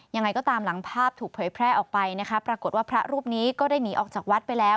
ยังไงก็ตามหลังภาพถูกเผยแพร่ออกไปนะคะปรากฏว่าพระรูปนี้ก็ได้หนีออกจากวัดไปแล้ว